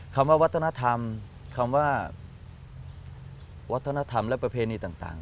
คำว่าวัฒนธรรมคำว่าวัฒนธรรมและประเพณีต่าง